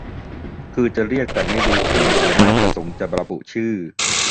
คือจะเรียกแต่ไม่รู้ชื่อหรือไม่ประสงค์จะระบุชื่อ